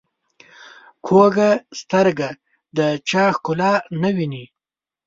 کوږه سترګه د چا ښکلا نه ویني